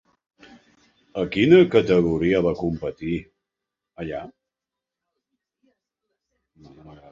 A quina categoria va competir, allà?